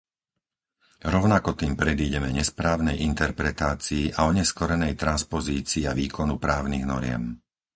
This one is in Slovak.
Rovnako tým predídeme nesprávnej interpretácii a oneskorenej transpozícii a výkonu právnych noriem.